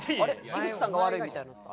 井口さんが悪いみたいになって。